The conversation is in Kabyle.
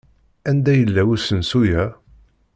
Anda yella usensu-a?